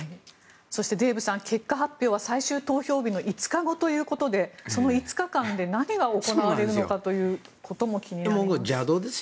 デーブさん、結果発表は最終投票日の５日後ということでその５日間で何が行われるのかも気になります。